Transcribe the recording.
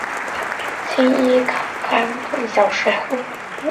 周柏豪小时候居住在青衣长康邨。